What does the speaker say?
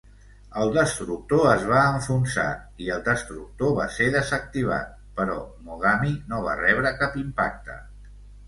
El destructor es va enfonsar i el destructor va ser desactivat, però Mogami no va rebre cap impacte